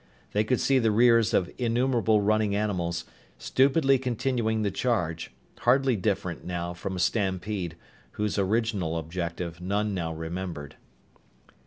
They could see the rears of innumerable running animals, stupidly continuing the charge, hardly different, now, from a stampede, whose original objective none now remembered.